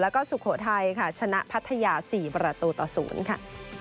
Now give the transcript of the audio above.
แล้วก็สุโขทัยค่ะชนะพัทยา๔ประตูต่อ๐ค่ะ